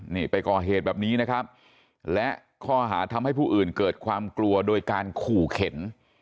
นี่ไปก่อเหตุแบบนี้นะครับและข้อหาทำให้ผู้อื่นเกิดความกลัวโดยการขู่เข็น